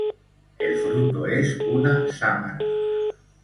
El fruto es una sámara.